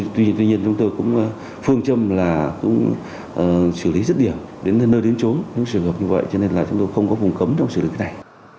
tuy nhiên chúng tôi cũng phương châm là cũng xử lý rất nhiều đến nơi đến chốn những trường hợp như vậy cho nên là chúng tôi không có phùng cấm trong xử lý cái này